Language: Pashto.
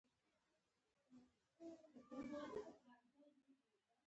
احمد تل له خپل پلار سره ماته ګوډه کوي.